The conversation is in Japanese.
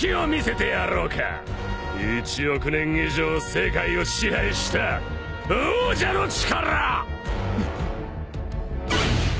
１億年以上世界を支配した王者の力！